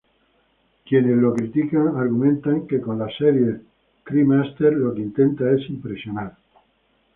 Quienes lo critican, argumentan que con las series "Cremaster", lo que intenta es impresionar.